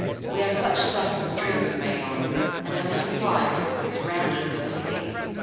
We are such stuff As dreams are made on, and our little life Is rounded with a sleep.